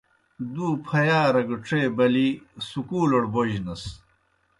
دْو پھیارہ گہ ڇے بلِی سکُولڑ بوجنَس۔